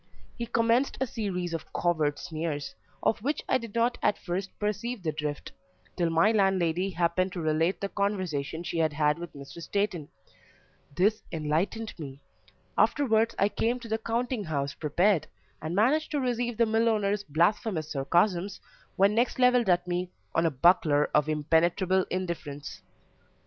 He commenced a series of covert sneers, of which I did not at first perceive the drift, till my landlady happened to relate the conversation she had had with Mr. Steighton; this enlightened me; afterwards I came to the counting house prepared, and managed to receive the millowner's blasphemous sarcasms, when next levelled at me, on a buckler of impenetrable indifference.